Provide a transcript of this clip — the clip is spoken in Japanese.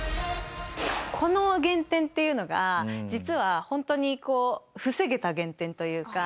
この減点っていうのが実はホントに防げた減点というか。